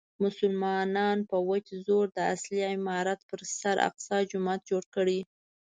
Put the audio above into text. مسلمانانو په وچ زور د اصلي عمارت پر سر اقصی جومات جوړ کړی.